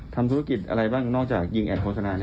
ทำศุรกิจอะไรบ้างนอกจากยิงแอดโฮสเซนานะ